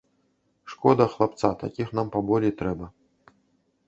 Шкода хлапца, такіх нам паболей трэба.